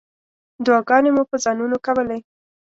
دعاګانې مو په ځانونو کولې.